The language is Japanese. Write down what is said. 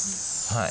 はい。